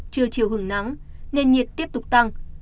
chưa chiều hướng nắng nền nhiệt tiếp tục tăng